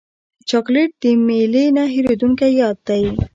چاکلېټ د میلې نه هېرېدونکی یاد دی.